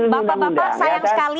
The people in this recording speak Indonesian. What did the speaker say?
bapak bapak sayang sekali